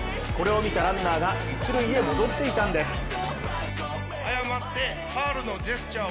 これを見たランナーが一塁へ戻っていたんです。